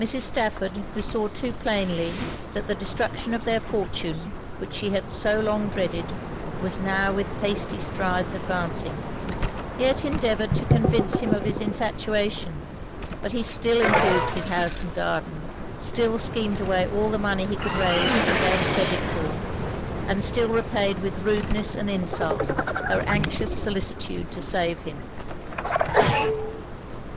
Mrs. Stafford, who saw too plainly that the destruction of their fortune which she had so long dreaded was now with hasty strides advancing, yet endeavoured to convince him of his infatuation; but he still improved his house and garden, still schemed away all the money he could raise or gain credit for, and still repaid with rudeness and insult her anxious solicitude to save him.